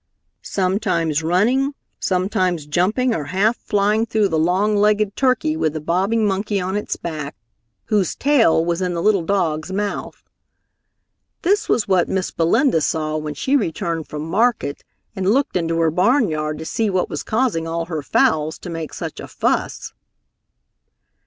Sometimes running, sometimes jumping or half flying went the long legged turkey with the bobbing monkey on its back, whose tail was in the little dog's mouth. This was what Miss Belinda saw when she returned from market and looked into her barnyard to see what was causing all her fowls to make such a fuss.